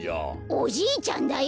おじいちゃんだよ！